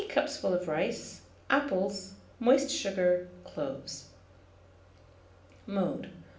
2 teacupfuls of rice, apples, moist sugar, cloves. Mode.